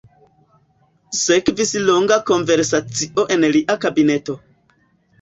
Sekvis longa konversacio en lia kabineto.